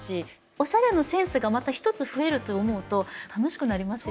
おしゃれのセンスがまた一つ増えると思うと楽しくなりますよね。